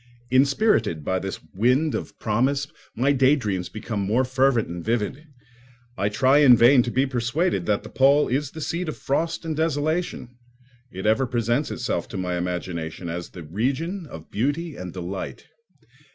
Inspirited by this wind of promise, my daydreams become more fervent and vivid. I try in vain to be persuaded that the pole is the seat of frost and desolation; it ever presents itself to my imagination as the region of beauty and delight.